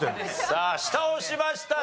さあ下押しました。